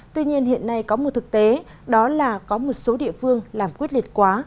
tuy nhiên hiện nay có một thực tế đó là có một số địa phương làm quyết liệt quá